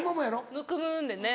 むくむんでね。